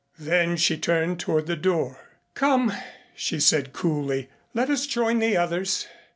Then she turned toward the door. "Come," she said coolly. "Let us join the others."